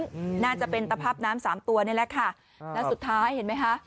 อืมน่าจะเป็นตภาพน้ำสามตัวนี่แหละค่ะแล้วสุดท้ายเห็นไหมคะ